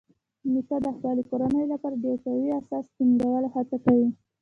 نیکه د خپل کورنۍ لپاره د یو قوي اساس ټینګولو هڅه کوي.